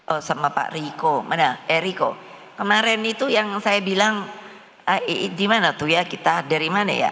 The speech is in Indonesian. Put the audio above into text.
oh sama pak riko mana eriko kemarin itu yang saya bilang gimana tuh ya kita dari mana ya